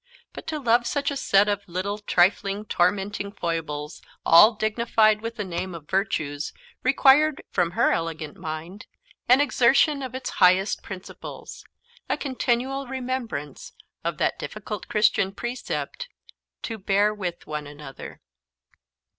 But to love such a set of little, trifling, tormenting foibles, all dignified with the name of virtues, required, from her elegant mind, an exertion of its highest principles a continual remembrance of that difficult Christian precept, "to bear with one another."